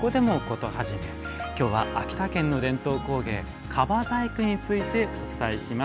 今日は秋田県の伝統工芸樺細工についてお伝えします。